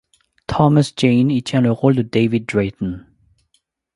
Thomas Jane y tient le rôle de David Drayton.